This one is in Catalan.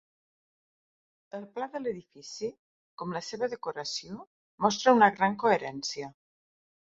El pla de l'edifici, com la seva decoració, mostra una gran coherència.